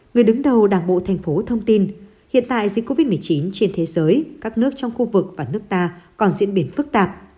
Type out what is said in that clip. người đứng đầu đảng bộ thành phố thông tin hiện tại dịch covid một mươi chín trên thế giới các nước trong khu vực và nước ta còn diễn biến phức tạp